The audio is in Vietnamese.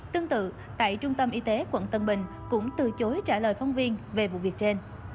tương tự tại trung tâm y tế quận tân bình cũng từ chối trả lời phóng viên về vụ việc trên